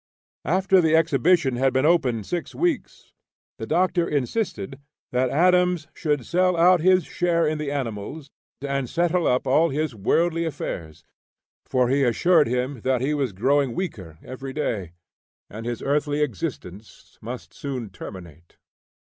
After the exhibition had been open six weeks, the Doctor insisted that Adams should sell out his share in the animals and settle up all his worldly affairs; for he assured him that he was growing weaker every day, and his earthly existence must soon terminate.